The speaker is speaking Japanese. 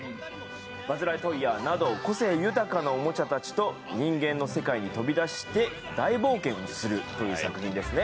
バズ・ライトイヤーなど個性豊かなおもちゃたちと人間の世界に飛び出して大冒険をするという作品ですね。